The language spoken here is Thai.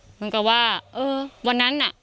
เหมือนกับว่าเออวันนั้นน่ะ